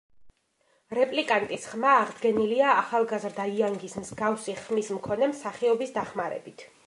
რეპლიკანტის ხმა აღდგენილია ახალგაზრდა იანგის მსგავსი ხმის მქონე მსახიობის დახმარებით.